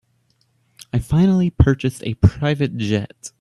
I finally purchased a private jet.